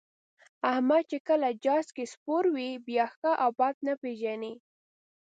احمد چې کله جهاز کې سپور وي، بیا ښه او بد نه پېژني.